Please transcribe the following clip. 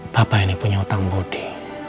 papa ini punya utang bodi